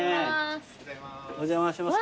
お邪魔します。